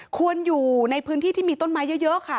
ควรอยู่ในพื้นที่ที่มีต้นไม้เยอะค่ะ